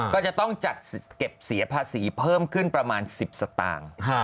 ก็จะต้องจัดเก็บเสียภาษีเพิ่มขึ้นประมาณ๑๐สตางค์